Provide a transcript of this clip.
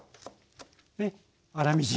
粗みじん。